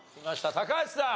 高橋さん。